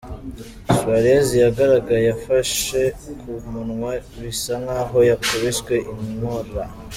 Suarez yagaragaye afashe ku munwa bisa nk’aho yakubiswe inkora.